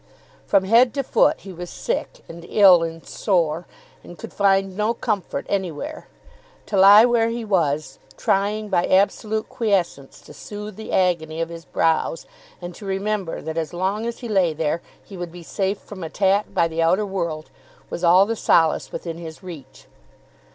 From head to foot, he was sick and ill and sore, and could find no comfort anywhere. To lie where he was, trying by absolute quiescence to soothe the agony of his brows and to remember that as long as he lay there he would be safe from attack by the outer world, was all the solace within his reach.